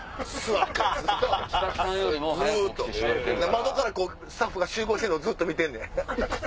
窓からスタッフが集合してるのをずっと見てんねん。